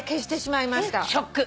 ショック！